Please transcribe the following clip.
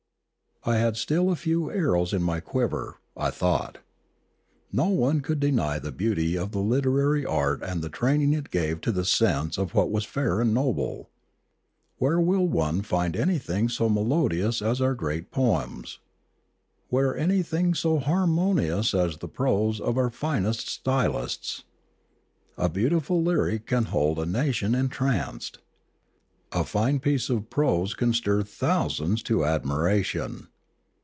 I had still a few arrows in my quiver, I thought. No one could deny the beauty of the literary art and the training it gave to the sense of what was fair and noble. Where will one find anything so melodious as our great poems ? Where anything so harmonious as the prose of our finest stylists ? A beautiful lyric can hold a na tion entranced. A fine piece of prose can stir thousands to admiration.